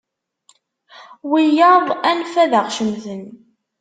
Wiyaḍ anef ad aɣ-cemten.